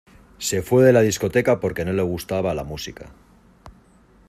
Se fue de la discoteca porque no le gustaba la música.